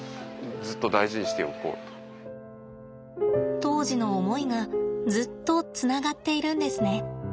当時の思いがずっとつながっているんですね。